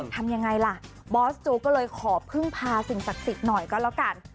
ทำยังไงล่ะบอสโจก็เลยขอพึ่งพาสิ่งศักดิ์สิทธิ์หน่อยก็แล้วกัน